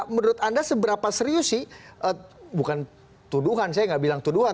menurut anda seberapa serius sih bukan tuduhan saya nggak bilang tuduhan